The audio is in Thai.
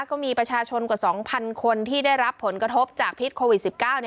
ก็มีประชาชนกว่า๒๐๐คนที่ได้รับผลกระทบจากพิษโควิด๑๙